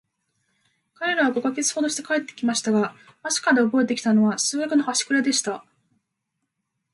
彼等は五ヵ月ほどして帰って来ましたが、飛島でおぼえて来たのは、数学のはしくれでした。